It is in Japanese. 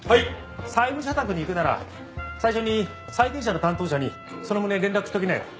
債務者宅に行くなら最初に債権者の担当者にその旨連絡しときなよ。